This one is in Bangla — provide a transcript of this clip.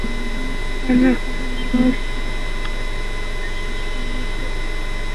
তা না হলে মা ও শিশু উভয়েরই সমূহ বিপদ হতে পারে।